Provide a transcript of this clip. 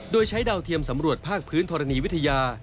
โดยใช้ดาวเทียมสำรวจภาคพื้นธรณีวิทยา